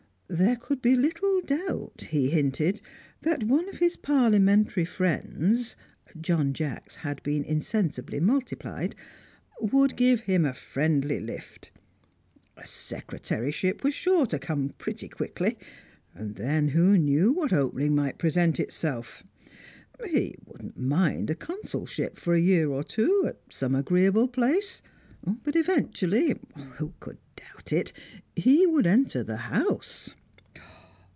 There could be little doubt, he hinted, that one of his Parliamentary friends (John Jacks had been insensibly multiplied) would give him a friendly lift. A secretaryship was sure to come pretty quickly, and then, who knew what opening might present itself! He wouldn't mind a consulship, for a year or two, at some agreeable place. But eventually who could doubt it? he would enter the House.